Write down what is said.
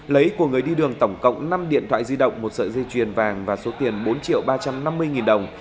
lấy của người đi đường tổng cộng năm điện thoại di động một sợi dây chuyền vàng và số tiền bốn triệu ba trăm năm mươi nghìn đồng